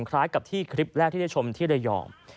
คล้ายกับที่คลิปแรกที่ได้ชมที่ระยอง